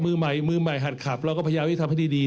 มือใหม่มือใหม่หัดขับเราก็พยายามที่ทำให้ดี